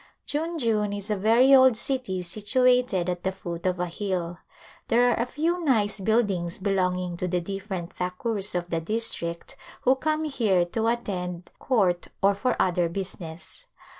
Junjun is a very old city situated at the foot of a hill. There are a few nice buildings belonging to the different Thakurs of the district who come here to attend court or for other business.